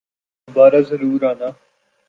دوبارہ ضرور آنا